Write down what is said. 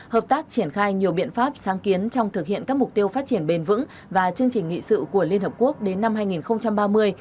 hợp tác triển khai nhiều biện pháp sáng kiến trong thực hiện các mục tiêu phát triển bền vững và chương trình nghị sự của liên hợp quốc đến năm hai nghìn ba mươi